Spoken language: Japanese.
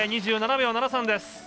２７秒７３です。